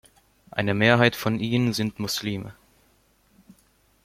Eine Mehrheit von ihnen sind Muslime.